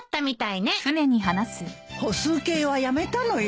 歩数計はやめたのよ。